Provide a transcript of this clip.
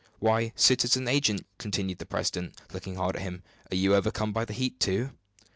"Why, citizen agent!" continued the president, looking hard at him, "are you overcome by the heat, too?"